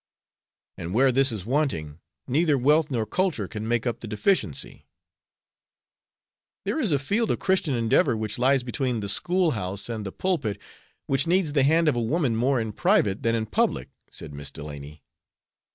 And where this is wanting neither wealth nor culture can make up the deficiency." "There is a field of Christian endeavor which lies between the school house and the pulpit, which needs the hand of a woman more in private than in public," said Miss Delany.